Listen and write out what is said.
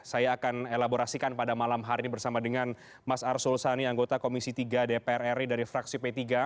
saya akan elaborasikan pada malam hari ini bersama dengan mas arsul sani anggota komisi tiga dpr ri dari fraksi p tiga